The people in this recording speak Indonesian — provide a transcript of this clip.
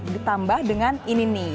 ditambah dengan ini nih